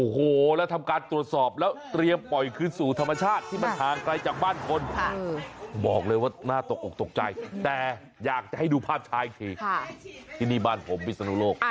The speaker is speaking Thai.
เพราะฉะนั้นขอดูภาพถ้าก่อนมันอ้ากปากมันอาจจะพยายามบอกอะไรเรามักใหญ่